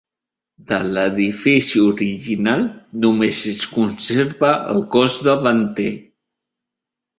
De l'edifici original només es conserva el cos davanter.